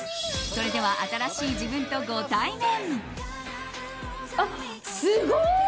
それでは、新しい自分とご対面！